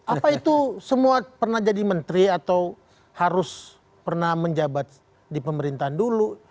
apa itu semua pernah jadi menteri atau harus pernah menjabat di pemerintahan dulu